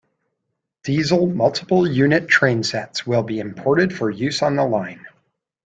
Diesel multiple-unit trainsets will be imported for use on the line.